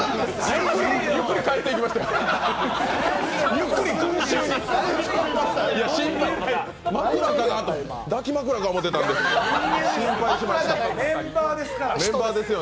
ゆっくり群衆に帰っていきましたよ。